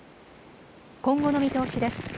今後の見通しです。